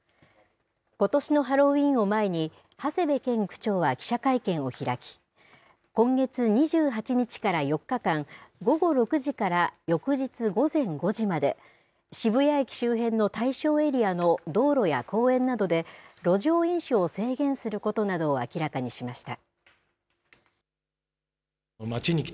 ことしのハロウィーンを前に、長谷部健区長は記者会見を開き、今月２８日から４日間、午後６時から翌日午前５時まで、渋谷駅周辺の対象エリアの道路や公園などで、路上飲酒を制限することなどを明らかにしました。